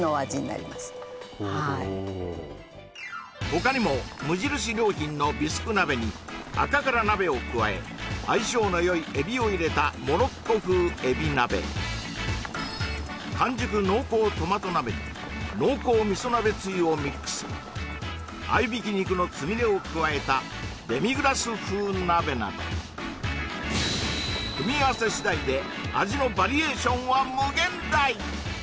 他にも無印良品のビスク鍋に赤から鍋を加え相性のよいエビを入れたモロッコ風エビ鍋完熟濃厚トマト鍋に濃厚みそ鍋つゆをミックス合いびき肉のつみれを加えたデミグラス風鍋など組み合わせ次第で味のバリエーションは無限大！